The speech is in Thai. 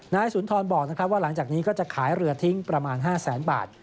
นายสุนทรบอกว่าหลังจากนี้ก็จะขายเรือทิ้งประมาณ๕แสนบาท